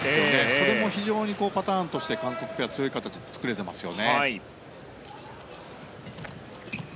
それも非常にパターンとして韓国ペアは強い形が作れていますよね。